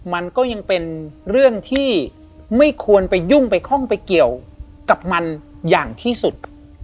มันก็ยังเป็นเรื่องที่ไม่ควรไปยุ่งไปคล่องไปเกี่ยวกับมันอย่างที่สุด